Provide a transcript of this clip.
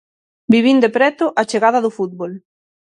Vivín de preto a chegada do fútbol.